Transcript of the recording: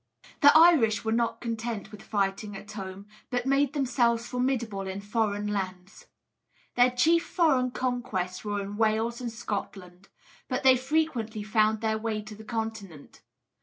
The Irish were not content with fighting at home, but made themselves formidable in foreign lands. Their chief foreign conquests were in Wales and Scotland; but they frequently found their way to the Continent.